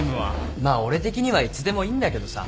まあ俺的にはいつでもいいんだけどさ。